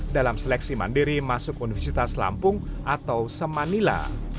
dalam seleksi mandiri masuk universitas lampung atau semanila